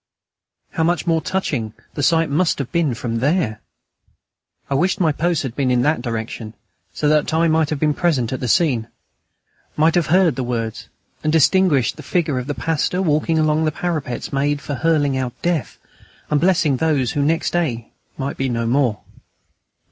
How much more touching the sight must have been from there! I wished my post had been in that direction, so that I might have been present at the scene, might have heard the words and distinguished the figure of the pastor walking along the parapets made for hurling out death, and blessing those who the next day might be no more.